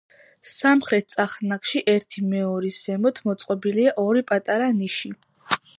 სამხრეთ წახნაგში, ერთი მეორის ზემოთ, მოწყობილია ორი პატარა ნიში.